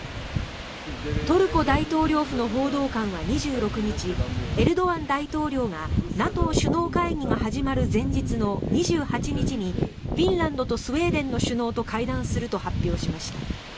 トルコ大統領府の報道官は２６日エルドアン大統領がＮＡＴＯ首脳会議が始まる前日の２８日にフィンランドとスウェーデンの首脳と会談すると発表しました。